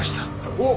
おっ！